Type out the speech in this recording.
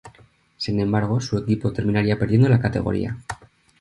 Sin embargo, su equipo terminaría perdiendo la categoría.